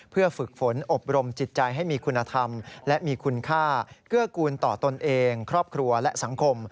เพื่อฝึกฝนอบรมจิตใจให้มีคุณธรรมและมีคุณค่าเกื้อกูลต่อตนเองครอบครัวและสังคม